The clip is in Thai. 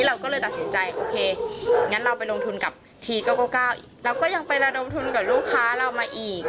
เราก็เลยตัดสินใจโอเคงั้นเราไปลงทุนกับที๙๙อีกเราก็ยังไประดมทุนกับลูกค้าเรามาอีก